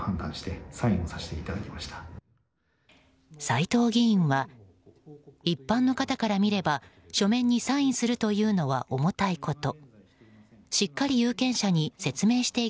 斎藤議員は一般の方から見れば書面にサインするというのは重たいこと。